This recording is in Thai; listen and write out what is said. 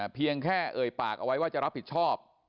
เพียงแค่เอ่ยปากเอาไว้ว่าจะรับผิดชอบ